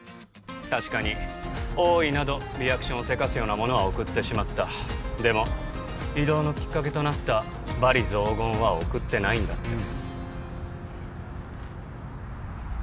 確かに「おい」などリアクションをせかすようなものは送ってしまったでも異動のきっかけとなった罵詈雑言は送ってないんだってえっ？